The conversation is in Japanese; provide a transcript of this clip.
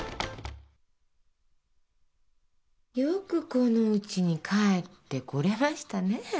よくこのウチに帰ってこれましたねえ。